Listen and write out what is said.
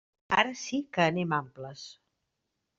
Ara sí que anem amples.